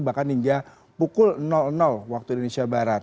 bahkan hingga pukul waktu indonesia barat